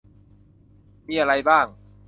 มีอะไรบ้าง